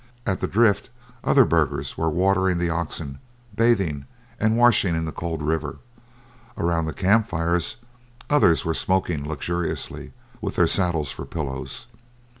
At the drift other burghers were watering the oxen, bathing and washing in the cold river; around the camp fires others were smoking luxuriously, with their saddles for pillows.